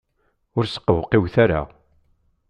Ur sqewqiwet ara!